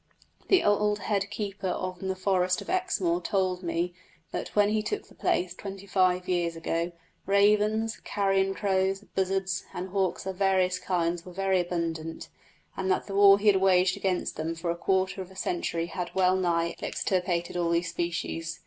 The old head keeper on the Forest of Exmoor told me that when he took the place, twenty five years ago, ravens, carrion crows, buzzards, and hawks of various kinds were very abundant, and that the war he had waged against them for a quarter of a century had well nigh extirpated all these species.